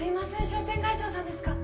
商店街長さんですか